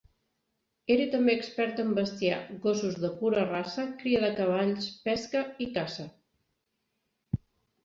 Era també expert en bestiar, gossos de pura raça, cria de cavalls, pesca i caça.